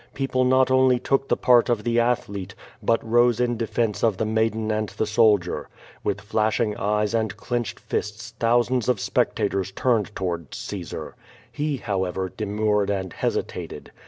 People not only took the part of the athlete, but rose in defence of the maiden and the soldier. With flashing eyes and clenched flsts thousands of spectators turned towards Caesar. He, however, demurred and hesitated.